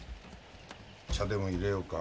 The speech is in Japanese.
茶でもいれようか？